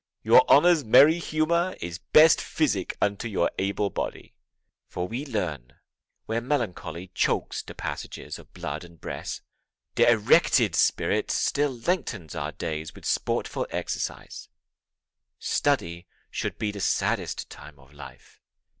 Your honor's merry humor is best physic Unto your able body; for we learn Where melancholy chokes the passages Of blood and breath, the erected spirit still Lengthens our days with sportful exercise: Study should be the saddest time of life.